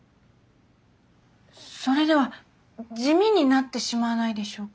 それでは地味になってしまわないでしょうか？